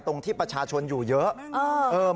ตรงที่ประชาชนิดหนึ่ง